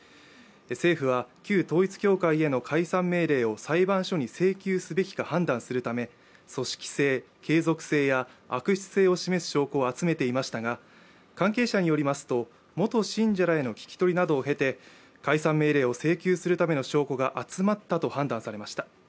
政府は旧統一教会への解散命令を裁判所に請求すべきか判断するため組織性、継続性や悪質性を示す証拠を集めていましたが、関係者によりますと、元信者らへの聞き取りなどを経て解散命令を請求するための証拠が集まったと判断されました。